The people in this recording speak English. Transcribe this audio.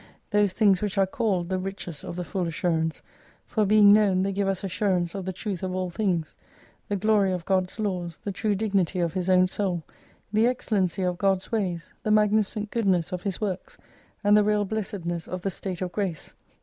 ^ those things which are called the riches of the full assurance ; for being known they give us assurance of the truth of all things : the glory of God's laws, the true dignity of his own soul, the excellency of God's ways, the magnificent goodness of His works, and the real blessedness of the state of grace.